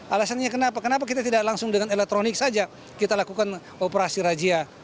alasannya kenapa kenapa kita tidak langsung dengan elektronik saja kita lakukan operasi rajia